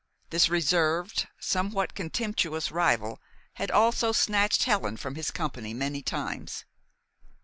This reserved, somewhat contemptuous rival had also snatched Helen from his company many times.